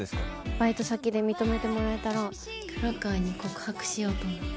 バイト先で認めてもらえたら黒川に告白しようと思ってる。